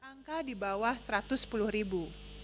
angka di bawah satu ratus sepuluh ribu